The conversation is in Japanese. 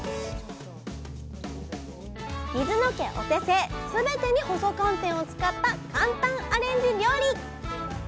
水野家お手製すべてに細寒天を使った簡単アレンジ料理！